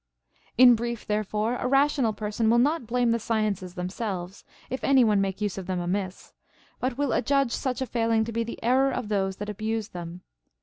41. In brief therefore, a rational person will not blame the sciences themselves, if any one make use of them amiss, but will adjudge such a failing to be the error of those that abuse them.